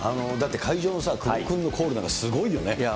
会場は久保君のコールなんかすごいですよね。